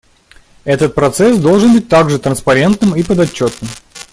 Этот процесс должен быть также транспарентным и подотчетным.